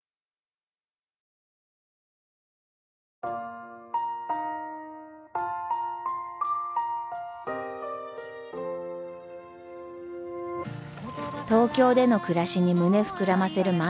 東京での暮らしに胸膨らませる万太郎と竹雄。